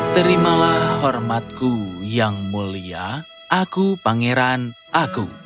terimalah hormatku yang mulia aku pangeran aku